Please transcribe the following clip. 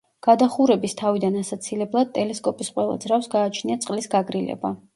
გადახურების თავიდან ასაცილებლად, ტელესკოპის ყველა ძრავს გააჩნია წყლის გაგრილება.